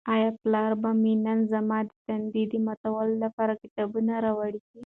آیا پلار به مې نن زما د تندې د ماتولو لپاره کتابونه راوړي؟